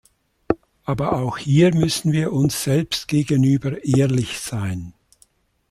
Aber auch hier müssen wir uns selbst gegenüber ehrlich sein.